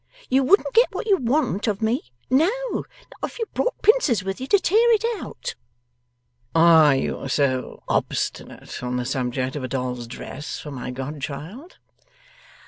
You wouldn't get what you want, of me, no, not if you brought pincers with you to tear it out.' 'Are you so obstinate on the subject of a doll's dress for my godchild?